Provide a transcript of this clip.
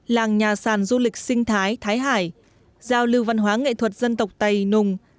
làng nhà sàn du lịch sinh thái thái hải giao lưu văn hóa nghệ thuật dân tộc tây nùng